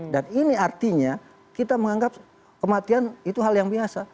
dan ini artinya kita menganggap kematian itu hal yang biasa